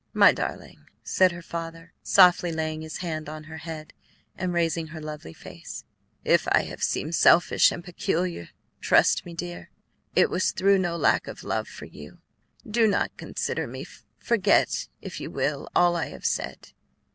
"My darling," said her father, softly laying his hand on her head and raising her lovely face, "if I have seemed selfish and peculiar, trust me, dear, it was through no lack of love for you. Do not consider me; forget, if you will, all I have said.